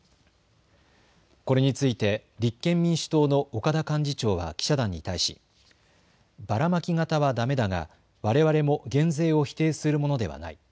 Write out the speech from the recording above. これについて立憲民主党の岡田幹事長は記者団に対しバラマキ型はだめだがわれわれも減税を否定するものではない。